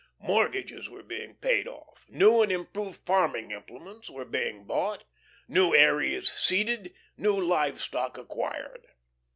Mortgages were being paid off, new and improved farming implements were being bought, new areas seeded new live stock acquired.